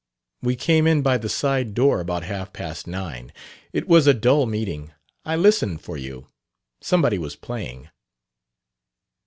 "We came in by the side door about half past nine. It was a dull meeting. I listened for you. Somebody was playing."